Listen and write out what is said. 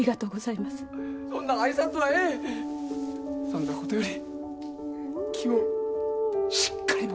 そんなことより。